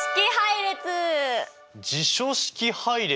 辞書式配列？